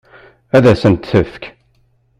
Ad sen-t-tefk?